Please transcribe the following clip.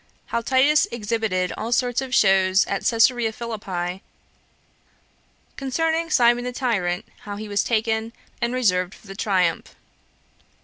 How Titus Exhibited All Sorts Of Shows At Cesarea Philippi. Concerning Simon The Tyrant How He Was Taken, And Reserved For The Triumph.